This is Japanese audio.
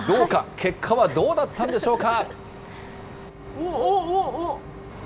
結果はどうなったんでしょうか。